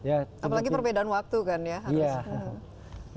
apalagi perbedaan waktu kan ya harus